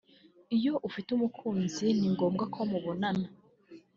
Iyo ufite umukunzi ni ngombwa ko mubonana